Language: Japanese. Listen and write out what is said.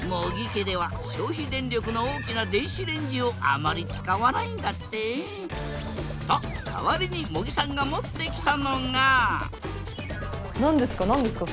家では消費電力の大きな電子レンジをあまり使わないんだって。と代わりに茂木さんが持ってきたのが何ですか何ですか？